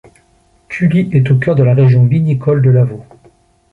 Cully est au cœur de la région vinicole de Lavaux.